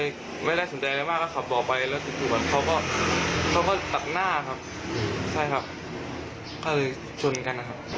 ใช่ครับเค้าเลยชนกัน